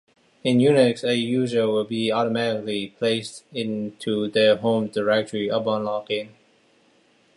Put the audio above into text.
In Unix, a user will be automatically placed into their home directory upon login.